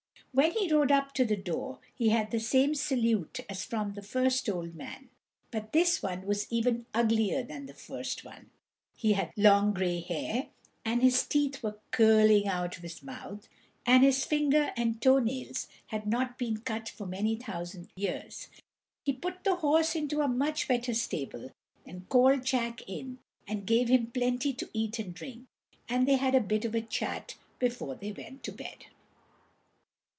When he rode up to the door he had the same salute as from the first old man, but this one was even uglier than the first one. He had long grey hair, and his teeth were curling out of his mouth, and his finger and toe nails had not been cut for many thousand years. He put the horse into a much better stable, and called Jack in, and gave him plenty to eat and drink, and they had a bit of a chat before they went to bed.